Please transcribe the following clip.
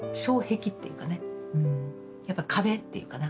やっぱ壁っていうかな